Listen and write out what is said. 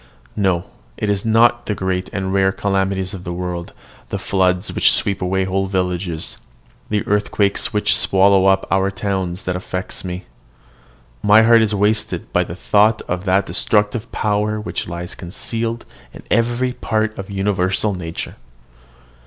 No: it is not the great and rare calamities of the world, the floods which sweep away whole villages, the earthquakes which swallow up our towns, that affect me. My heart is wasted by the thought of that destructive power which lies concealed in every part of universal nature.